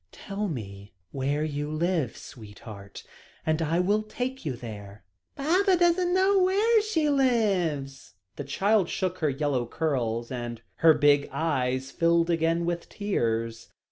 "Tell me where you live, sweetheart, and I will take you home." "Baba doesn't know where she lives," the child shook her yellow curls, and her big eyes filled again with tears.